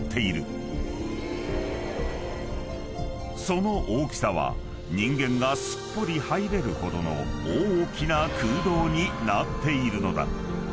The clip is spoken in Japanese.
［その大きさは人間がすっぽり入れるほどの大きな空洞になっているのだ］